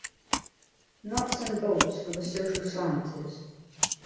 "Nuts and Bolts for the Social Sciences".